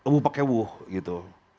wuh pake wuh gitu